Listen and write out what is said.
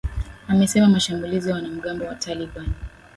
amesema mashambulizi ya wanamgambo wa taliban